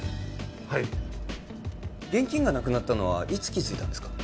はい現金がなくなったのはいつ気づいたんですか？